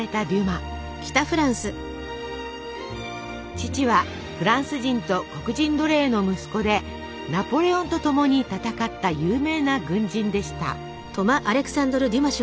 父はフランス人と黒人奴隷の息子でナポレオンとともに戦った有名な軍人でした。